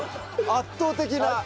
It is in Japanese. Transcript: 圧倒的な。